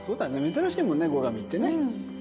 珍しいもんね「後上」ってね。